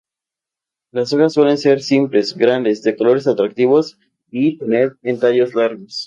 Las hojas suelen ser simples, grandes, de colores atractivos y tener en tallos largos.